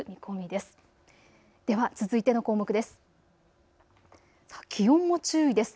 では続いての項目です。